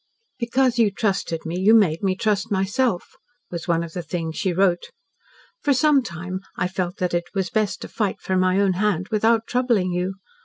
"Because you trusted me you made me trust myself," was one of the things she wrote. "For some time I felt that it was best to fight for my own hand without troubling you.